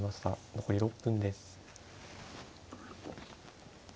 残り６分です。